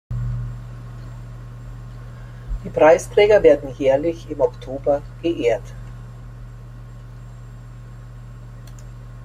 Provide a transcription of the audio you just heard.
Die Preisträger werden jährlich im Oktober geehrt.